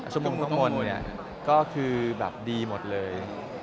ชั่วโมงเนี่ยคือแบบดีหมดเลย